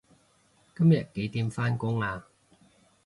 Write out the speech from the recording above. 今日幾點返工啊